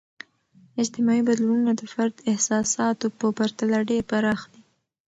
اجتماعي بدلونونه د فرد احساساتو په پرتله ډیر پراخ دي.